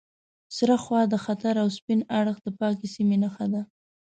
سره خوا د خطر او سپین اړخ د پاکې سیمې نښه ده.